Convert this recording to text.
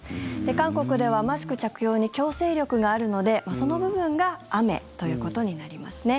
韓国ではマスク着用に強制力があるのでその部分が雨ということになりますね。